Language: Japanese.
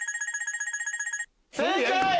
正解！